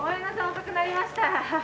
遅くなりました。